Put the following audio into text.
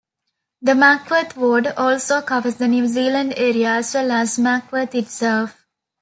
The Mackworth ward also covers the New Zealand area as well as Mackworth itself.